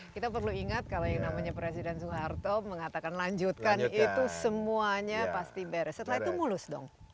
kita perlu ingat kalau yang namanya presiden soeharto mengatakan lanjutkan itu semuanya pasti beres setelah itu mulus dong